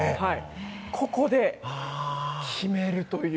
ここで決めるという。